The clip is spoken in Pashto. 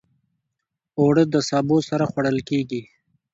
اوړه د سبو سره خوړل کېږي